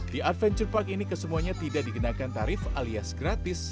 di adventure park ini kesemuanya tidak dikenakan tarif alias gratis